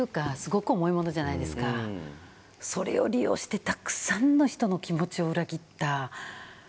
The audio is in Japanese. それを利用してたくさんの人の気持ちを裏切った。